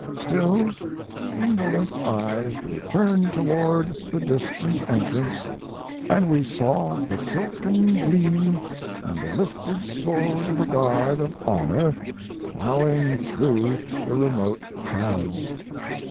Still, indolent eyes were turned toward the distant entrance, and we saw the silken gleam and the lifted sword of a guard of honor plowing through the remote crowds.